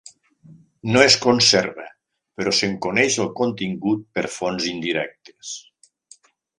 No es conserva, però se'n coneix el contingut per fonts indirectes.